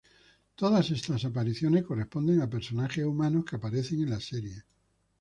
Todas estas apariciones corresponden a personajes humanos que aparecen en la serie.